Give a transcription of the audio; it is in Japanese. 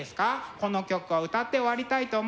この曲を歌って終わりたいと思います。